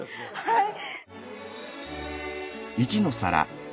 はい。